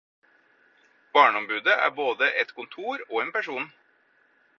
Barneombudet er både et kontor og en person.